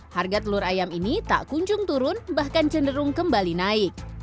harga telur ayam ini tak kunjung turun bahkan cenderung kembali naik